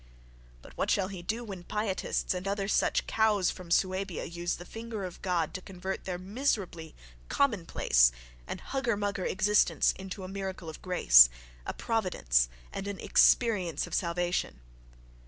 But what shall he do when pietists and other such cows from Suabia use the "finger of God" to convert their miserably commonplace and huggermugger existence into a miracle of "grace," a "providence" and an "experience of salvation"?